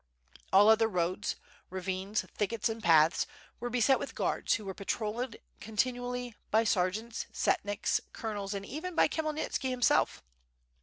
All other roads, ravines, thickets, and paths, were beset with guards who were patrolled continually by sergeants, setniks, colonels, and even by Khmyelnitski himself.